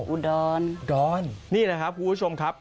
อูดอนนี่นะครับคุณผู้ชมครับ